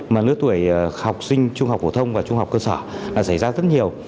mà lứa tuổi học sinh trung học phổ thông và trung học cơ sở là xảy ra rất nhiều